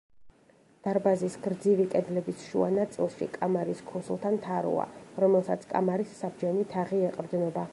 დარბაზის გრძივი კედლების შუა ნაწილში, კამარის ქუსლთან, თაროა, რომელსაც კამარის საბჯენი თაღი ეყრდნობა.